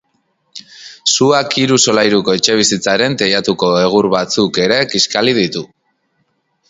Suak hiru solairuko etxebizitzaren teilatuko egur batzuk ere kiskali ditu.